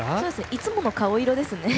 いつもの顔色ですね。